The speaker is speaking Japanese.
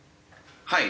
はい。